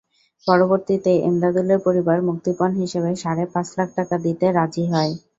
পরবর্তীতে এমদাদুলের পরিবার মুক্তিপণ হিসেবে সাড়ে পাঁচ লাখ টাকা দিতে রাজি হয়।